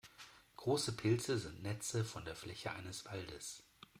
Große Pilze sind Netze von der Fläche eines Waldes.